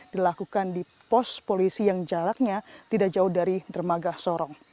dilakukan di pos polisi yang jaraknya tidak jauh dari dermaga sorong